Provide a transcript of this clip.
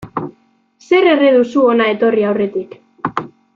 Zer erre duzu hona etorri aurretik.